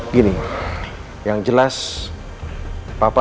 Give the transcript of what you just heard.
tapi gak jelas sama siapa